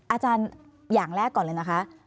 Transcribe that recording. อาจารย์อย่างแรกก่อนเลยนะคะ